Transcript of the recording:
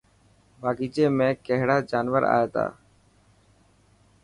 باغيچي ۾ ڪهڙا جانور اي تا.